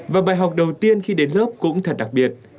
và bài học đầu tiên khi đến lớp cũng thật đặc biệt